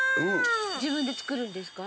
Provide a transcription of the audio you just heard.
自分で作るんですか？